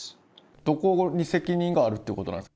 どこに責任があるということなんですか。